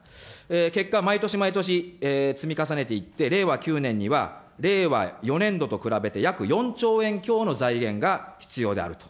結果、毎年毎年、積み重ねていって、令和９年には令和４年度と比べて約４兆円強の財源が必要であると。